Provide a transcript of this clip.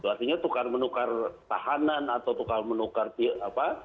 artinya tukar menukar tahanan atau tukar menukar apa